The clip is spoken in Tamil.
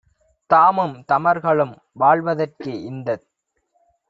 தாமும் தமர்களும் வாழ்வதற்கே இந்தத்